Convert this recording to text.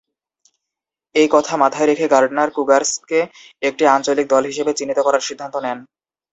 এই কথা মাথায় রেখে গার্ডনার কুগারসকে একটি "আঞ্চলিক" দল হিসেবে চিহ্নিত করার সিদ্ধান্ত নেন।